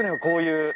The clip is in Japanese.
こういう。